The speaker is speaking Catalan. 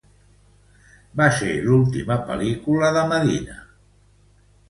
Va ser l'última pel·lícula de Medina Castro.